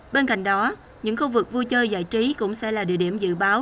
bên cạnh đó những khu vực vui chơi giải trí cũng sẽ là địa điểm dự báo